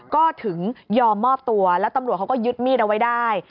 ก็ถึงยอมมอบตัวแล้วตำรวจเขาก็ยึดมีดเอาไว้ได้